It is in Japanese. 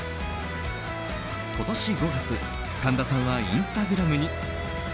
今年５月、神田さんはインスタグラムに。